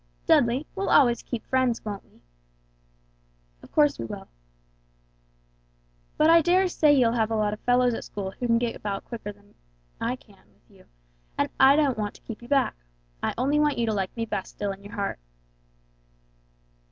"Dudley, we'll always keep friends, won't we?" "Of course we will." "But I dare say you'll have a lot of fellows at school who can get about quicker with you than I can; and I don't want to keep you back. I only want you to like me still best in your heart."